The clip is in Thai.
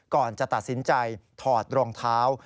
ก่อนจะตัดสินใจถอดรองเท้า